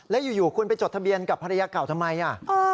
แล้วอยู่คุณไปจดทะเบียนกับภรรยาเก่าทำไม